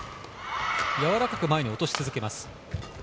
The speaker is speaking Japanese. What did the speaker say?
やわらかく前に落とし続けます。